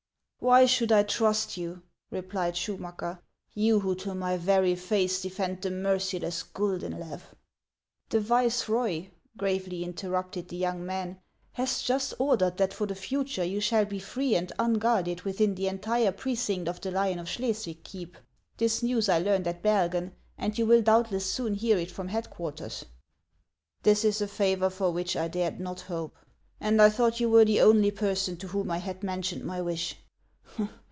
"Why should I trust you," replied Schumacker, — "you who to my very face defend the merciless Guldenlew ?"" The viceroy," gravely interrupted the young man, " has just ordered that for the future you shall be free and un guarded within the entire precinct of the Lion of Schles wig keep. This news I learned at Bergen, and you will doubtless soon hear it from headquarters." " This is a favor for which I dared not hope, and I thought you were the only person to whom I had men tioned my wish.